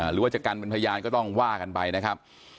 หรือว่าจะกันเป็นพยานก็ต้องว่ากันไปนะครับ